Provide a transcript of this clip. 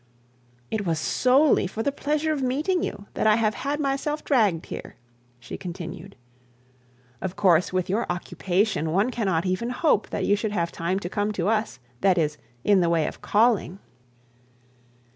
'It was solely for the pleasure of meeting you that I have had myself dragged here,' she continued. 'Of course, with your occupation, one cannot even hope that you should have time to come to us, that is, in the way of calling.